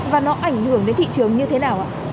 và nó ảnh hưởng đến thị trường như thế nào ạ